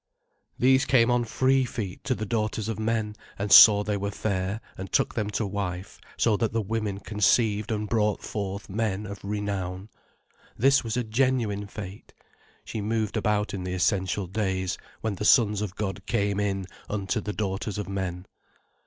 These came on free feet to the daughters of men, and saw they were fair, and took them to wife, so that the women conceived and brought forth men of renown. This was a genuine fate. She moved about in the essential days, when the sons of God came in unto the daughters of men.